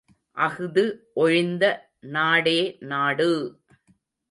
அஃது ஒழிந்த நாடே நாடு!